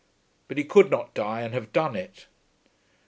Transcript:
But he could not die and have done it.